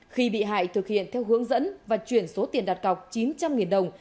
khi bị hại thực hiện theo hướng dẫn và chuyển số tiền đặt cọc chín trăm linh đồng